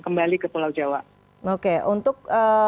kembali ke pulau jawa oke untuk